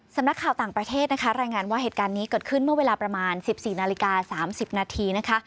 สำนักข่าวต่างประเทศนะคะรายงานว่าเหตุการณ์นี้เกิดขึ้นเมื่อเวลาประมาณ๑๔นาฬิกา๓๐นาทีนะคะ